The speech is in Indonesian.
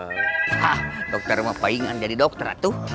hah dokter mah palingan jadi dokter tuh